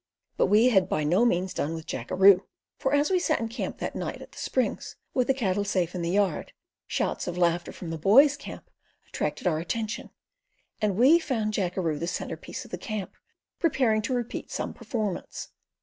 But we had by no means done with Jackeroo; for as we sat in camp that night at the Springs, with the cattle safe in the yard, shouts of laughter from the "boys'" camp attracted our attention, and we found Jackeroo the centre piece of the camp, preparing to repeat some performance.